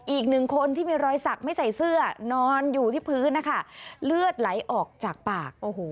อีกหนึ่งคนที่มีรอยสักไม่ใส่เสื้อนอนอยู่ที่พื้นนะคะเลือดไหลออกจากปากโอ้โห